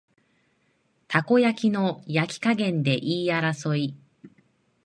たこ焼きの焼き加減で言い争い